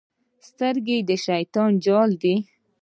سترګې د شیطان جال دی.